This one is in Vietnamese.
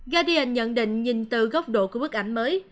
gadian nhận định nhìn từ góc độ của bức ảnh mới